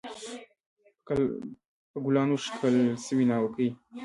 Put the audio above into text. په ګلانو ښکلل سوې ناوکۍ